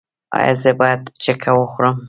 ایا زه باید چکه وخورم؟